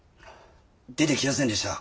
出てきやせんでした。